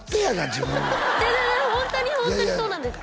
自分違う違うホントにホントにそうなんです